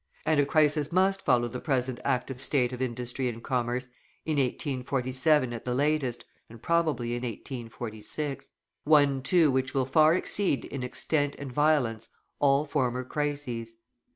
And a crisis must follow the present active state of industry and commerce in 1847 at the latest, and probably in 1846; one, too, which will far exceed in extent and violence all former crises.